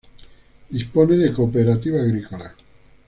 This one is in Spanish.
Dispone de cooperativa agrícola.